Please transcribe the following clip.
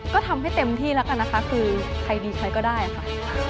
ก็ทำให้เต็มที่แล้วกันนะคะคือใครดีใครก็ได้ค่ะ